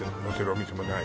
お店もない？